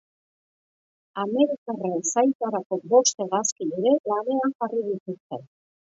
Amerikarren zaintzarako bost hegazkin ere lanean karri dituzte.